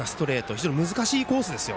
非常に難しいコースですよ。